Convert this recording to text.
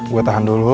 gue tahan dulu